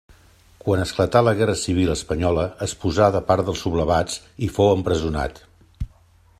Quan esclatà la guerra civil espanyola es posà de part dels sublevats i fou empresonat.